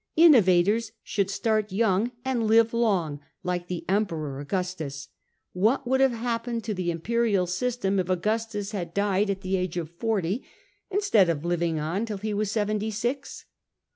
Innovators should start young and live long, like the Emperor Augustus. What would have happened to the imperial system if Augustus had died at the age of forty, instead of living on till he was seventy six